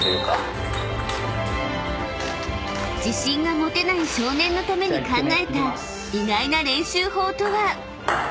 ［自信が持てない少年のために考えた意外な練習法とは⁉］